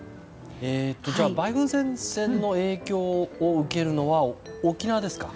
梅雨前線の影響を受けるのは沖縄ですか？